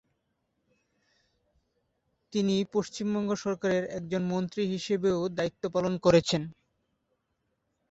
তিনি পশ্চিমবঙ্গ সরকারের একজন মন্ত্রী হিসেবেও দায়িত্ব পালন করেছেন।